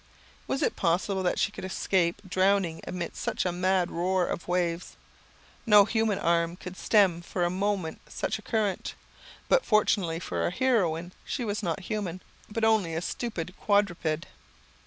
Was it possible that she could escape drowning amid such a mad roar of waves? No human arm could stem for a moment such a current; but fortunately for our heroine, she was not human, but only a stupid quadruped.